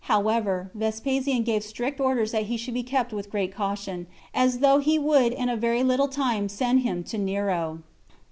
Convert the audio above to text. However, Vespasian gave strict orders that he should be kept with great caution, as though he would in a very little time send him to Nero.